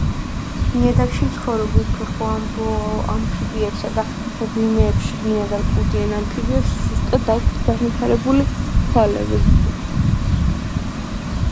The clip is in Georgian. ნიადაგში მცხოვრებ უფეხო ამფიბიებსა და მღვიმეებში ბინადარ კუდიან ამფიბიებს სუსტად აქვთ განვითარებული თვალები.